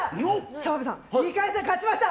澤部さん、２回戦勝ちました！